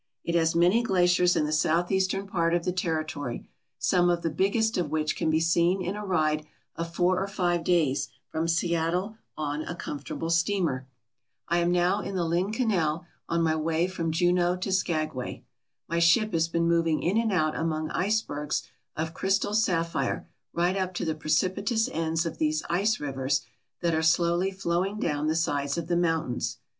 It has many glaciers in the southeastern part of the territory, some of the biggest of which can be seen in a ride of four or five days from Seattle on a comfortable steamer. I am now in the Lynn Canal on my way from Juneau to Skagway. My ship has been moving in and out among icebergs of crystal sapphire right up to the precipitous ends of these ice rivers that are slowly flowing down the sides of the mountains.